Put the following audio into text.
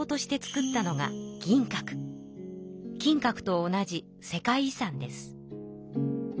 金閣と同じ世界遺産です。